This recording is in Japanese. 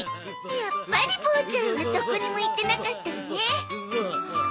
やっぱりボーちゃんはどこにも行ってなかったわね。